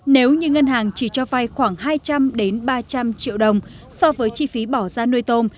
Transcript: nếu như ngân hàng chỉ cho vay khoảng hai trăm linh ba trăm linh triệu đồng so với chi phí bỏ ra nuôi tôm